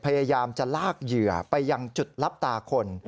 พยายามจะลากเหยื่อไปยังจุดรับตาคน